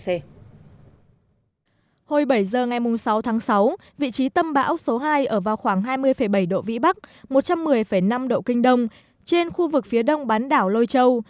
hồi bảy giờ ngày sáu tháng sáu vị trí tâm bão số hai ở vào khoảng hai mươi bảy độ vĩ bắc một trăm một mươi năm độ kinh đông trên khu vực phía đông bán đảo lôi châu